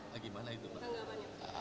bagaimana itu pak